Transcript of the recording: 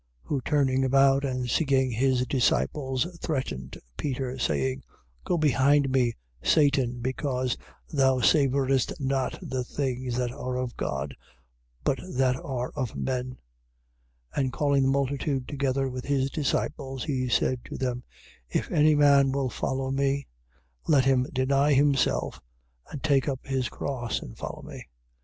Who turning about and seeing his disciples, threatened Peter, saying: Go behind me, Satan, because thou savourest not the things that are of God but that are of men. 8:34. And calling the multitude together with his disciples, he said to them: If any man will follow me, let him deny himself and take up his cross and follow me. 8:35.